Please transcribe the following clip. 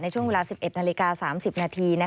ช่วงเวลา๑๑นาฬิกา๓๐นาที